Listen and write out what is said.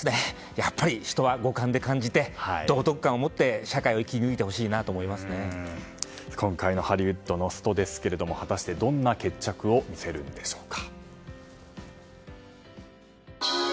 やっぱり人は五感で感じて道徳観を持って社会を生き抜いてほしいと今回のハリウッドのストですが果たして、どんな決着を見せるのでしょうか。